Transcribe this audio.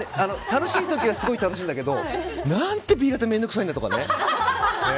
楽しい時はすごく楽しいんだけど何てＢ型面倒くさいんだって。